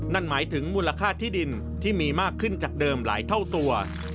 นั่นหมายถึงมูลค่าที่ดินที่มีมากขึ้นจากเดิมหลายเท่าตัว